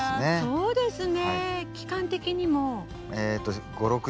そうですか。